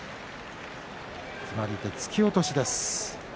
決まり手は突き落としです。